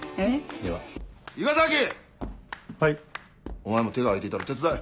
お前も手が空いていたら手伝え。